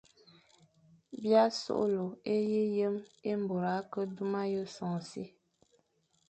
B î a soghle e yi yem é môr a ke duma yʼé sôm si,